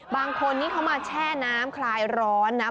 บางคนนี่เขามาแช่น้ำคลายร้อนนะ